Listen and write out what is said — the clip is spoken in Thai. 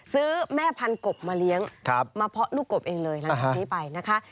ซื้อแม่พันกบมาเลี้ยงมาเพาะลูกกบเองเลยหลังจากนี้ไปนะคะ